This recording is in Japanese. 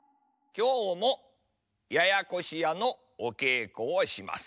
きょうも「ややこしや」のおけいこをします。